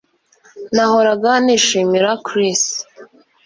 Nahoraga nishimira Chris